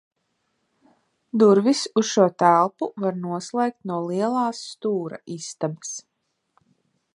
Durvis uz šo telpu var noslēgt no lielās stūra istabas.